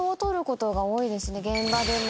現場でも。